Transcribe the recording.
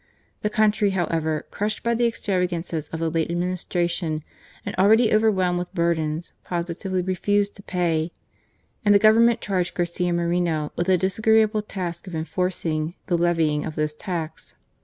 The country, however, crushed by the extravagances of the late Administration and already overwhelmed with burdens, positively refused to pay ; and the Government charged Garcia Moreno with the dis agreeable task of enforcing the levying of this tax.